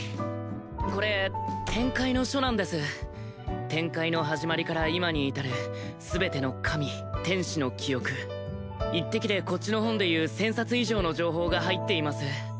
これ天界の書なんです天界の始まりから今に至る全ての神天使の記憶一滴でこっちの本でいう１０００冊以上の情報が入っています